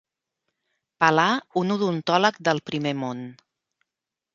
Pelà un odontòleg del primer món.